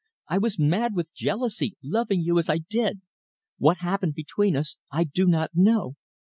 I was mad with jealousy, loving you as I did. What happened between us I do not know.